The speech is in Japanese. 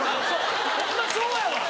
ホンマそうやわ！